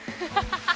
ハハハハ！